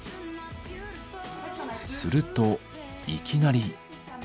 するといきなり。